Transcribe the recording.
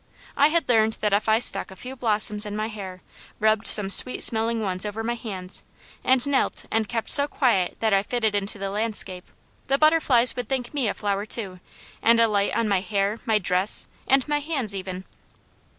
I had learned that if I stuck a few blossoms in my hair, rubbed some sweet smelling ones over my hands, and knelt and kept so quiet that I fitted into the landscape, the butterflies would think me a flower too, and alight on my hair, dress, and my hands, even.